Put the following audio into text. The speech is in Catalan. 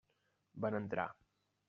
Van entrar.